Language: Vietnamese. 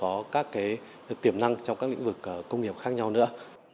còn có các tiềm năng trong các lĩnh vực công nghiệp khác nhau nữa